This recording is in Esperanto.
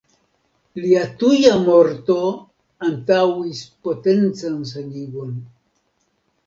Lia tuja morto antaŭis potencan senigon.